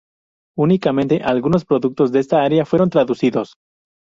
Únicamente algunos productos de esta área fueron traducidos.